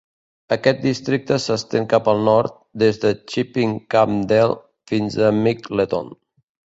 Aquest districte s'estén cap al nord, des de "Chipping Campden" fins a Mickleton.